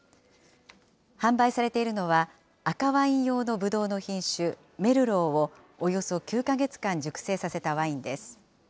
販売されているのは、赤ワイン用のブドウの品種、メルローを、およそ９か月間熟成させたワインです。